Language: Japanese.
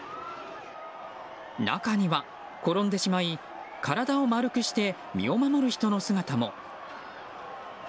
中には転んでしまい体を丸くして身を守る人の姿も。